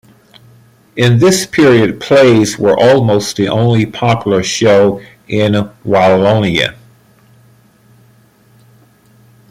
In this period plays were almost the only popular show in Wallonia.